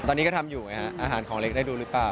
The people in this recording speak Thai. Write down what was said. ตอนนี้ก็ทำอยู่ไงฮะอาหารของเล็กได้ดูหรือเปล่า